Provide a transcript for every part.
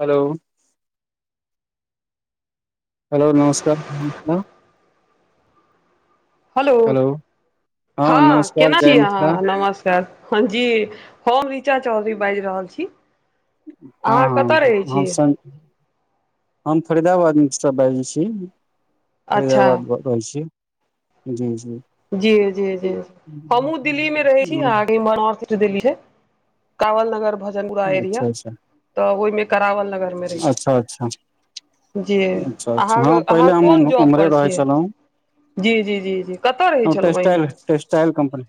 Hello hello नमस्कार hello हँ नमस्कार केना जय छी मिथिला अहाँ नमस्कार हँ जी हम रऋचा चौधरी बाजि रहल छी हँ अहाँ कतय हँ रहै हम छियै सन हम फरीदाबादसँ बाजै छी अच्छा फरीदाबाद ब कहै छी जी जी जी जी जी हमहुँ दिल्ली मे रहे छी अहाँ कें इम्हर देलीह कांवल नगर भजनपुरा एरिया अच्छा अच्छा तऽ ओहिमे करावल नगर अच्छा अच्छा जी अच्छा अच्छा अहाँ हँ अहाँ पहिले हम कोन ओम जॉब ओम्हरे पर रहै छियै छलहुँ जी जी जी जी कतय रहै हम छलहुँ टेस्टाइल एहिमे टेस्टाइल कम्पनी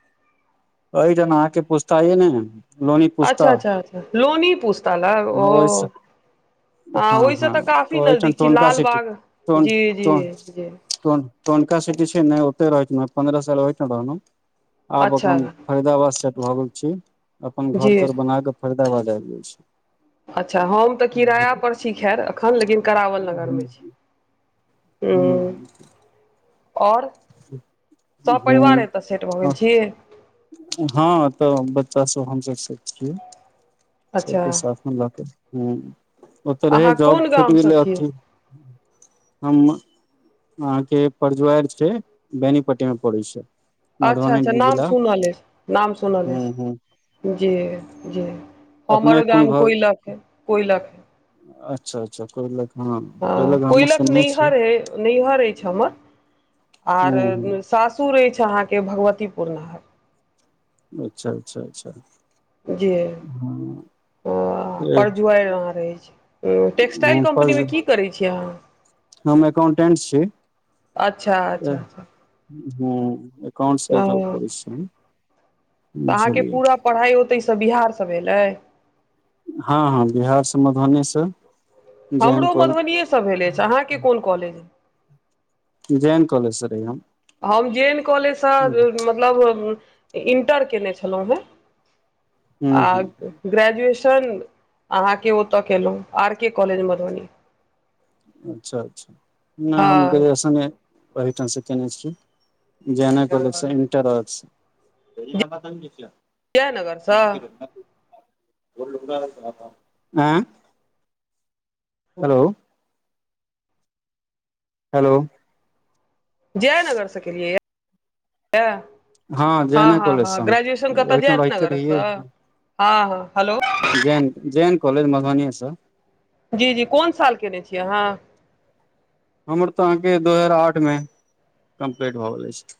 अइ जन अहाँके पूछता नहि न अच्छा अच्छा लोनी पूछता ल ओ ओहिस हँ ओहिसँ हँ तऽ काफी ओहिठाम नजदीक छी टोनका सिटी लालबाग टोन जी जी टोन जी टोनका सिटी छै ने ओते रहै छै पन्द्रह साल रहलहुँ आब अपन अच्छा फरिदाबाद सेट भऽ गेल छी अपन जी घर तर बनाके फायदाबाद आबि गेल छी अच्छा हम तऽ किराय बुझलियै पर छी खैर एखन लेकिन करावल नगरमे छी हुँ आओर सपरिवार हूँ एतह सेट भऽ गेल छी हँ तऽ बच्चा सब हम सब छिय अच्छा सबके साथ हुँ ओत रहे अहाँ जॉब कोन छुट गामसँ गेलय आओर छियै की हम अहाँ के परजुआर छै बेनी पट्टी मे पड़ै छै अच्छा अच्छा मधुबनी नाम जिला सुनल अछि नाम सुनल हूँ हूँ अछि जी जी अपने हमर कोन गाम घर कोइलक कोइलख अच्छा अच्छा कोइलख कोयलक नैहर नैहर अछि हमर हूँ आर हूँ सासुर रह अछि अहाँके भगवतीपुरमे अच्छा अच्छा अच्छा जी हुँ परजुआर यहा रहे छै टेकक्सटाइल हँ कम्पनी में पर की करे छी अच्छा हम एकाउंटेंट छी अच्छा हँ अच्छा अच्छा एकाउंटस जोब ओ तऽ करि छ अहाँके बुझलियै पूरा पढ़ाइ ओतैसँ बिहारसँ भेल अय हँ हँ बिहार सँ मधुबनी सँ हमरो मधुबनएसँ भेल अछि अहाँकेँ कोन कॉलेज ज एन कॉलेज सँ रहिये हम हम जे एन कॉलेजसँ हूँ मतलब इणटर कयने छलहुँ हन आ हूँ ग्रेजुएशन अहाँके ओतऽ केलहुँ आर के कॉलेज मधुबनी अच्छा अच्छा नहि हम हँ ग्रेजुएशन ओहि ठाम से केने छी जे एन कॉलेज सेन्टर अछि जयनगरसँ [unintelligible] [unintelligible] हेलो हेलो जयनगर सँ केलिये यै हँ जैने हँ कॉलेज सँ हँ हम ग्रेजएशन करता ओहिठाम रहिते जयनगर सँ रहियै हँ हँ hello Jain J N college Madhubani सँ जी जी कोन साल केयने छियै अहाँ हमर तऽ अहाँके दू हजार आठ मे कम्प्लीट भऽ गेल अछि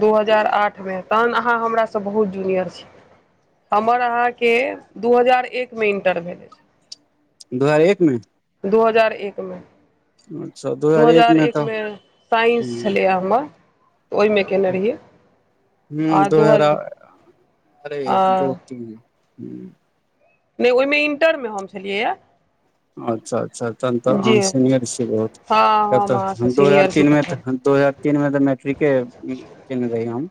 दू हजार आठ मे तहन अहाँ हमरा सँ बहुत जूनियर छि हमर अहाँके दू हजार एक मे इंटर भेल अछि दू हजार एक मे दू हजार एक मे दू हजार एक मे साइंस तऽ छलैए हमर तऽ ओहिमे कयने रहियै हू दो हजार आ अरे एक दो तीन ह नहि ओहिमे इंटरमे हम छलियैए अच्छा अच्छा तहन तऽ जी अह हँ सीनियर छी बहुत तब त अहाँसँ हम तऽ दू हजार सीनियर छी तीन मे तखन तऽ दू हजार तीन मे तऽ मैट्रिके कने रही हम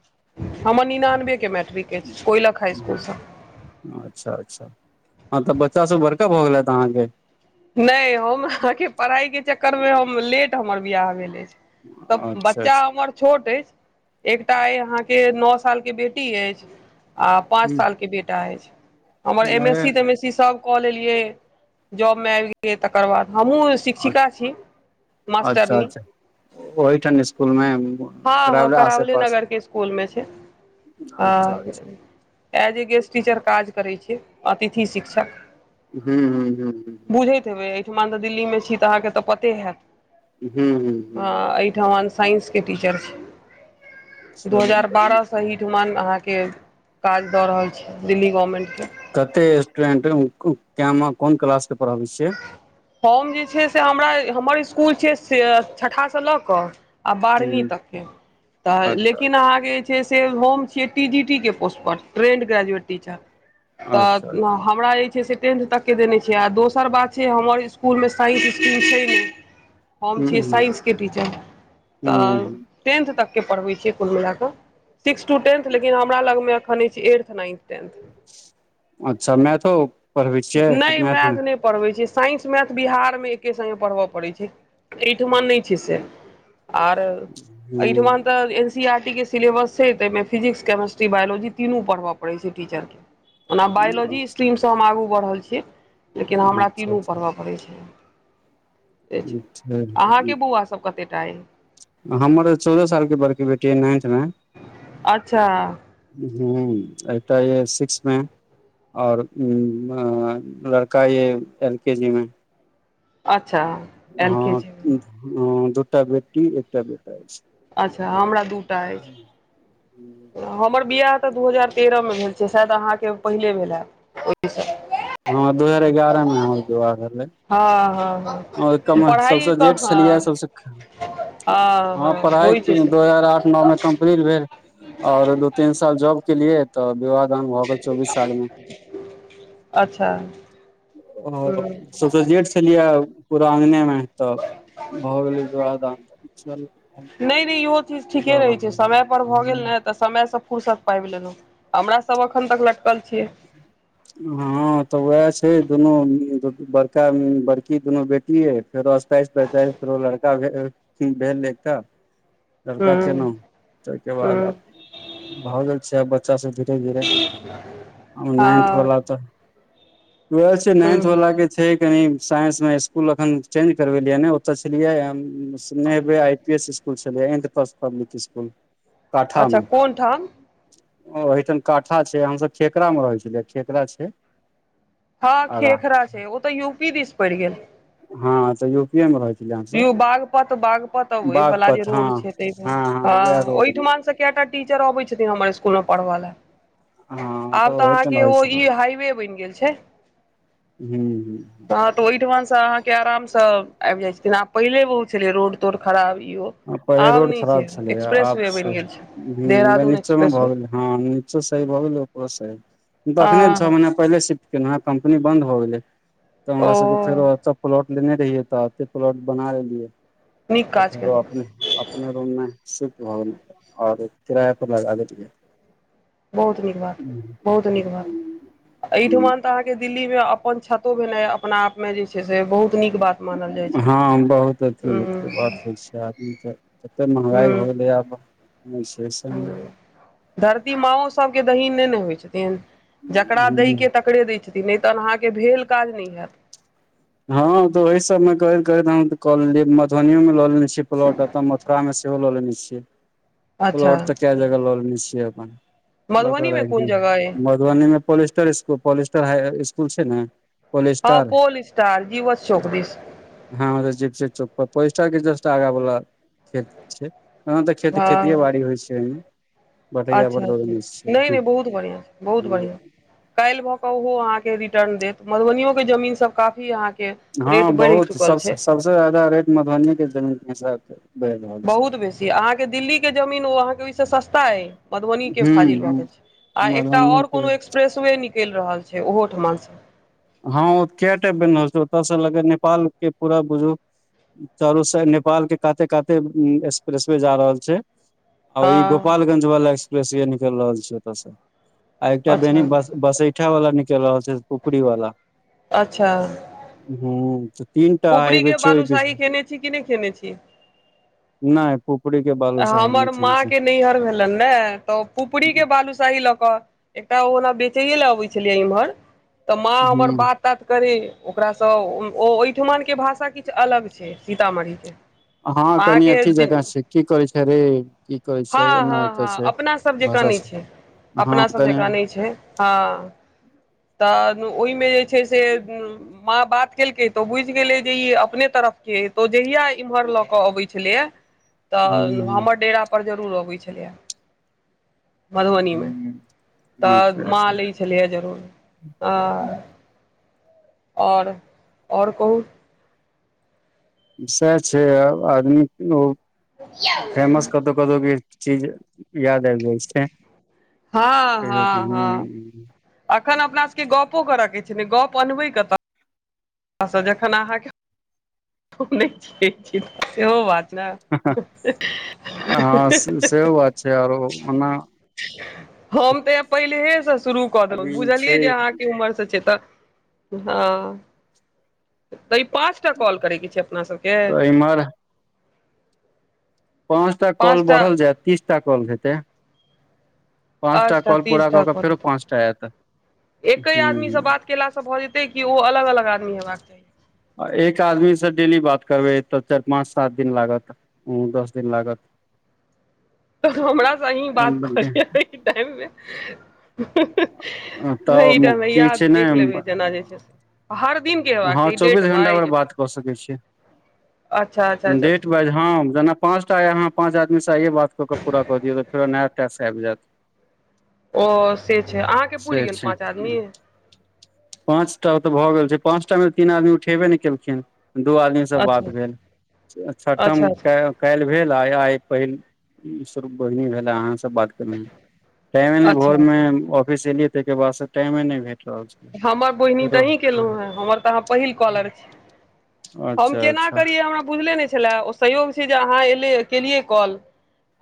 हमर निनानबे के मैट्रिक अछि कोयलक हाई हम्म, स्कुल सँ अच्छा अच्छा हँ त बच्चा सब बड़का भऽ गेलत अहाँके नहि हम अहाँके पढ़ाई के चक्करमे हम लेट हमर बियाह भेल अछि तऽ अच्छा बच्चा अच्छा हमर छोट अछि एकटा अइ अहाँके नौ साल के बेटी अछि आ पाँच हम्म, सालके बेटा अछि हमर एम एस अरे सी तेम एससी सभ कऽ लेलियै मे आबि गेलिये तकर बाद हमहूँ शिक्षिका छी अच्छा मास्टरनी अच्छा ओहि ठाम स्कूल मे हँ हँ करवरा आसे करावले पास नगरके स्कुलमे छै आ अच्छा अच्छा एज ए गेस्ट टीचर काज करै छियै अतिथि शिक्षक हू हू हू बुझयत हेवय आहा त दिल्ली मे छी त आहा के पते हैत हूँ हूँ हँ हूँ अय अयठमन साइंस के टीचर छि चलू दू हजार बढ़िया बारह अही ठुमान अहाँके काज दऽ रहल छै दिल्ली गवर्मेन्ट के कते स्टूडेंट क मे कोन क्लास के पढ़ाबै छियै हम जे छै से हमरा हमर इसकुल छै से छठा सँ लऽ कऽ आ हम्म बारहवीं तक के तऽ अच्छा लेकिन अहाँके छै जे से टी जी टी के पोस्ट पर ट्रेंड ग्रेजुएट टीचर अच्छा अच्छा तऽ हमरा जे छै से टेंथ तक के देने छै आ दोस दोसर बात छै हमर स्कूल मे साइंस इंस्टीम छै ने हम अच्छा हूँ छियै साइंसके टीचर हूँ तऽ हूँ टेंथ तकके पढ़बै छियै कुल मिल कऽ सिक्सथ टू टेन्थ लेकिन हमरा लगमे एखन छै एथ नाइन्थ टेन्थ अच्छा मैथो पढ़बै छियै की नहि मैथ नइ नहि पढ़बै छै साइंस मैथ बिहारमे एके संगे पढ़बय पड़ैत छै एहिठमान नहि छै से आर एहिठमन हूँ तऽ एन सी आर टी के सिलेबस छै ताहिमे फिजिक्स केमेिस्ट्री बायलॉजी पढ़य पड़ैत छै टीचर के ओना बायोलॉजी अच्छा स्ट्रीम सँ हम आगू बढ़ल छियै लेकिन हमरा अच्छा तीनू अच्छा पढ़बय पड़ै छै से छै अहाँके अच्छा। बौआ सब कतेटा अइ हमर चौदह सालके बड़की बेटी अइ नाइन्थ मे अच्छा हँ, एकटा एहि सिक्स मे। आ ओ लड़का एल के जी मे। अच्छा एल के हँ, जी मे दूटा बेटी आ एकटा बेटा अछि। अच्छा हमरा दूटा अछि। हमर बिआह तऽ दू हजार तेरहमे भेल छै, शायद अहाँकेँ पहिले भेल हैइत। उड़ीसा [unintelligible] हँ दू हजार एगारह मे हमर विवाह भेलै। हँ हँ ह आओर कमसँ कम जेठ छलियै सभसँ। हँ, पढ़ाइ होइ छै से दू हजार आठ नओ मे। कम्प्लेटे भेल आ दू तीन साल जॉब केलियै, तऽ विवाह भेल। लगन भागले चौबीस सालमे। अच्छा ओ ह सभसँ जेठ पियै पराँगने मे तऽ भऽ गेलै विवाह। नहि नहि, इहो चीज ठीके बाबा रहैत छै, समय पर भऽ गेल ने तऽ। तऽ समयसँ फुर्सति पाबि लेलहुँ, हमर सभ एखन तक लटकल छी। हँ तऽ उएह छै, दुनू बड़का बड़की दुनू बेटी य। फेरो अठाइस पैँतीस मे फेरो लड़का भेल ल। लड़का हूँ केना टेके बाद हूँ भागेलय छै बच्चा सभ धीरे धीरे नएन्थ हँ त [unintelligible] आहा से हूँ नान्थ वला के छै, कनि साइंस मे स्कूल अखन चेंज करवेलियै ने, ओते छलियै। सुनेब, आई पी एस स्कूल छलै, प्राइवेट स्कूल। अच्छा काठामे कोन ठाम ओतेक काठा छै, हम सभ खटकरामे रहै छी। खेखरा छै। हँ आगाँ खेखरा छै ओ तऽ यू पी दिस पैड़ गेल हँ यूपी यौ, बागपत बागपत, ओहि वाला जे बागपत हँ रोड छै तऽ हँ, वएह ओहि रोड मे ठामसँ। केटा टीचर अबै छथिन हमर स्कुल मे पढ़बे लए। हँ आब तऽ अहाँके ओहिठाम रहै ओ ई छलियै हाइवे बनि गेल छै। हू ह हँ, तऽ ओहि ठामसँ अहाँकेँ आरामसँ आबि जाइत छथिन, आ पहिने बहुत छलै रोड टूटल फूटल खराब। पहिने आब रोड नहि खराब छै छलै, एक्सप्रेस आब वे से बनि गेल छै देहरादून नीचा मे एक्सप्रेस भऽ वे गेल ह। सही भऽ गेलै ओकरो, सही तऽ एखन छओ हँ महीना भेलै। पहिने शिफ्ट केलहुँ हँ, कम्पनी बन्द भऽ गेलै तऽ ओ हमरा सभकेँ फेरो। प्लॉट लेने रहियै, तऽ प्लॉट बना लेलियै। नीक काज केलहुँ अपन रूममे रहै छी आओर किराय पर लगा दै छी। बहुत नीक बात, बहुत नीक बात एहिठाम। अहाँकेँ दिल्लीमे अपन छत होयब, अपने आपमे बहुत नीक बात छै। मानल जाइ हँ, बहुत अथी हो बात होइ छै आदमी तऽ। कते महँगाई भऽ गेलै आब। धरती माँओ सभके दैथिन नहि ने होइत छथिन, जकरा से दैके त। पकड़ै दै छथिन नहि, तहन अहाँके भेल काज नहि हैत। हँ तऽ ओहि सभमे करैत करैत हम कऽ लेलियै, मधुबनमे लऽ लेलियै प्लॉट, ओते मथुरामे। सेहो लऽ लेने छियै। अच्छा प्लॉट तऽ कऽ जगह लऽ लेने छियै अपन मधुबनीमे कोन ल। जगह अइ मधुबनीमे पुलिसट्रेनिंग पुलिसट्रेनिंग हाई इसकुल छै ने। हँ polestar pole star Jiwachh Chowk दीस हँ जी छै चौक पर पोलिस्टर के जस्ट आगा वाला खेत छै हँ तऽ खेत खेतिये हँ बाड़ी होइ छै ओमे अच्छा अच्छा नहि नहि बहुत बढ़िआं बहुत बढ़िआं काल्हि भऽ कऽ ओहो अहाँके रिटर्न देत मधुबनियोके जमीनसब काफी अहाँके हँ रेट बढ़ि बहुत चुकल सबस छै सबस जादा रेट मधुबनी के जमीन के हिसाब बढ़ि रहल बहुत बेसी अहाँके दिल्ली के जमीन ओ अहाँके ओहिसँ सस्ता अइ मधुबनी के छै हूँ फाजिल भऽ हूँ गेल छै आ एकटा मधुबनी और के कोनो एक्सप्रेसवे निकैल रहल छै ओहोठमन सँ हँ ओ कैटा बनि रहल छै ओतय सँ लँके नेपाल के पूरा बुझू चारुसाइड नेपाल के काते काते एक्सप्रेसवे जा रहल छै औ ई हँ गोपालगंज वाला एक्सप्रेसे निकल रहल छी ओत से आ एकटा बेनी अच्छा बस बसे ठा वला निकैल रहल छै पुपरी वाला अच्छा हू पुपरी के बालूशाही खयने छी कि नहि खयने छी नहि पुपरी के बालू हमर माँ के नैहर भेलेन ने तऽ पुपरी के बालू साही लक एकटा ओन बेचैले अबै छलैया इमहर तऽ माँ हमर हूं बात तात करै ओकरासँ ओ ओहिठमनके भाषा किछ अलग छै सीतामढ़ी के हँ कनि अथी जकाँ छै की करै छै रे कहै छै हँ एना हँ एतऽ हँ छै अपनासभ जकाँ नहि छै हँ अपना सब कनि जकाँ नहि छै हँ तऽ ओहिमे जे छै से माँ बात केलकै तो बुझि गेलै जे ई अपने तरफ के तो जहिया इम्हर ल के अबै छलेये [inaudible] तऽ हमर डेरापर जरूर अबै छलैए मधुबनी मे हूं तऽ अच्छा माँ अच्छा लै छलैए जरूर आ और और कहू सएह छै आ ओ फेमस कतहु कतौ के चीज याद आइब जाइ छै हँ हँ हँ अखन अपना सबके गपो करय के छै ने गप अनबै कतऽ स जखन अहाँके चिन्हे छियै सेहो बात छै ने हँ [unintelligible] सेहो बात छै आरो ओना [inaudible] हम तऽ य पहिलेहे सँ शुरू कऽ देलहुँ अभी बुझलियै छै जे अहाँके उमहर से छै तऽ हँ तै पाँच टा कॉल करैके छै अपना सबके तऽ इम्हर पाँच टा कॉल बढ़ल जाय तीसटा कॉल हेतै पाँच टा कॉल पूरा तीस कऽ टा केऽ कॉल फेरो पाँचटा आयत ह्म केला स भए जेते कि ओ अलग अलग आदमी हेबाक चाही एक आदमी सँ डेली बात करबै तऽ चाइर पाँच सात दिन लागत दस दिन लागत [inaudible] तऽ हमर स अही बात क लिय अही टाइम मे तऽ वहीं टाइम मे की याद छै ने देख लेबै जेना जे छै से हर दिन के हेबाक हँ चाही डेट चौबीस घंटा पर वाइज बात कऽ सकै छी अच्छा अच्छा अच्छा डेट जेना पाँचटाह [unintelligible] पाँच आदमी सँ आइये बात कऽ पूराऽ दियौ त फेरो नया टास्क आइब जायत ओ से छै अहाँके पूइर से गेल छै पाँच आदमी पाँच टा तऽ भऽ गेल छै पाँचटा मे तीन आदमी उठेबे नहि कयेलखिन दू आदमी सँ बात अच्छा भेल छठम अच्छा अच्छा कए काइल भेल आ आई पहिल शुरू बोहिनी भेला अहा से बात टाइमे ने भोर अच्छा मे अच्छा ऑफिस एलियै तइ के बाद स टाइमे नहि भेट रहल छै हमर बोहिनी तऽ अही केलहु हें हमर तऽ अहाँ पहिल कॉलर छी हम अच्छा केना अच्छा करियै हमरा बुझले नहि छलै ओ संयोग छै जे आहाँ ऐलिये केलिये कॉल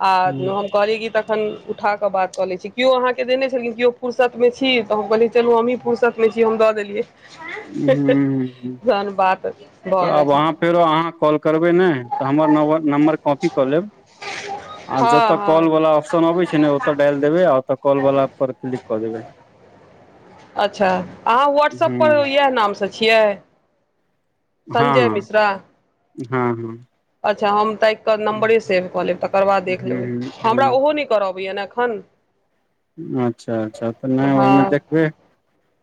आ हूँ हम कहलिये कि तखन उठाकऽ बात कऽ लै छी केओ अहाँके देने छलखिन केओ फुरसतमे छी तऽ हम कहलिय चलू हमहीँ फर्सत मे छी हम दऽ देलियै हूँ हूँ। तहन बात तऽ भऽ गेल आब छल अहाँ फेरो अहाँ कॉल करबै ने तऽ हमर नम्बर नम्बर कॉपी कऽ लेब आ हँ जतऽ हँ कॉल वाला आप्स न अबे छै ने ओत डालि देबे आ ओ कल वाला पर क्लिक कऽ देबे अच्छा अहाँ व्हाट्सअप हूँ पर इएह नाम सँ छियै हँ संजय हँ मिश्रा [inaudible] अच्छा हम ताइक क नम्बरे सेव कऽ लेब तकर बाद देख लेबै हूँ हमरा हूँ ओहो नहि करऽ अबैया ने एखन अच्छा अच्छा तऽ नहि ओहिमे हँ देखबै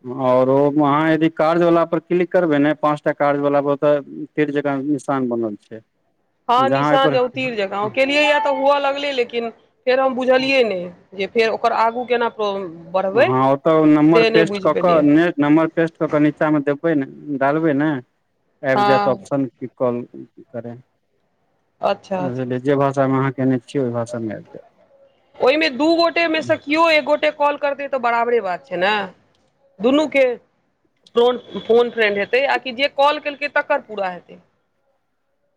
हँ औरो ओ अहाँ यदि कार्य वला पर क्लिक करबै ने पाँच टा कार्य वला पर तऽ तिर जकाँ निशान बनल छै हँ जहाँ निशान जे ओहिपर उ तीर जेका केलियै या तऽ हुअ लगलै लेकिन फेर हम बुझलियै नहि जे फेर ओकर आगू केना प्रो हँ ओतऽ नम्बर पेस्ट कऽ पेलियै कऽ नम्बर पेस्ट के के नीचा मे देबे ने डालबे ने आबि जायत हँ ऑप्शन की कॉल करे अच्छा अच्छा बुझलियै जे भाषामे अहाँ केयने छियै ओहि भाषामे आब जायब ओहिमें दू गोटे में से कियो एक गोटे कॉल करते तऽ बराबरे बात छै ने दुनू के फोन फोन फ्रेंड हेतै आ कि जे कॉल केलकै तकर पूरा हेतै